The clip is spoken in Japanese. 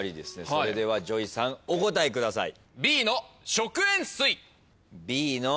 それではＪＯＹさんお答えください。